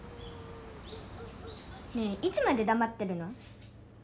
ねえいつまでだまってるの？